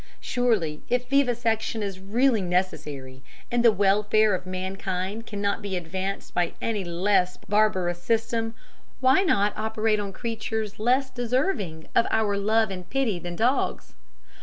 Surely if vivisection is really necessary, and the welfare of mankind cannot be advanced by any less barbarous system, why not operate on creatures less deserving of our love and pity than dogs?